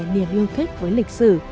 niềm yêu thích với lịch sử